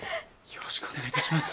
よろしくお願いします。